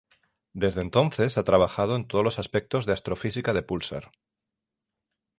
Desde entonces, ha trabajado en todos los aspectos de astrofísica de pulsar.